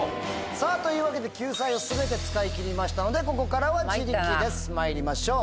さぁというわけで救済を全て使い切りましたのでここからは自力ですまいりましょう。